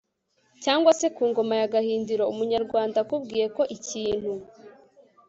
cyangwa se ku ngoma ya gahindiro. umunyarwanda akubwiye ko ikintu